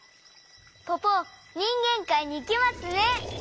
ポポにんげんかいにいけますね！